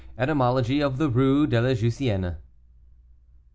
ETYMOLOGY OF THE RUE DE LA JUSSIENNE.